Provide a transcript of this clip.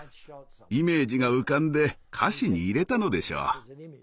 イメージが浮かんで歌詞に入れたのでしょう。